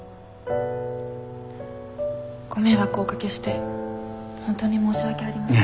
ご迷惑をおかけして本当に申し訳ありません。